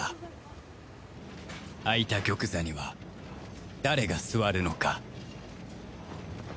空いた玉座には誰が座るのか